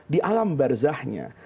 di alam barzahnya